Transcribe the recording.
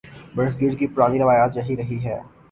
برصغیر کی پرانی روایت یہی رہی ہے۔